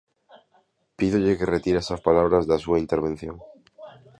Pídolle que retire esas palabras da súa intervención.